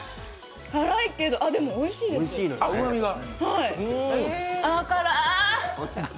辛いけど、でもおいしいですあ、辛い！